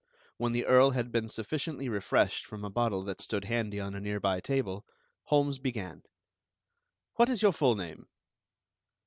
When the Earl had been sufficiently refreshed from a bottle that stood handy on a nearby table, Holmes began: "What is your full name?"